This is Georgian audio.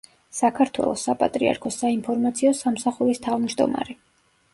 საქართველოს საპატრიარქოს საინფორმაციო სამსახურის თავმჯდომარე.